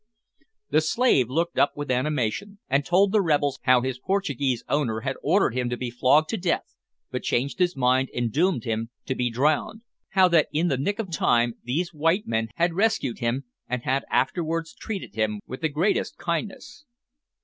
The slave looked up with animation, and told the rebels how his Portuguese owner had ordered him to be flogged to death, but changed his mind and doomed him to be drowned, how that in the nick of time, these white men had rescued him, and had afterwards treated him with the greatest kindness.